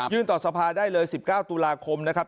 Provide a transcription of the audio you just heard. ต่อสภาได้เลย๑๙ตุลาคมนะครับ